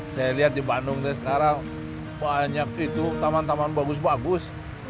saya lihat di bandung sekarang banyak itu taman taman bagus bagus